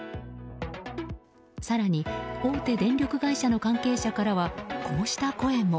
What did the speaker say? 更に、大手電力会社の関係者からこうした声も。